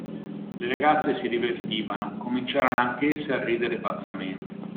Le ragazze si divertivano; cominciarono anch'esse a ridere pazzamente.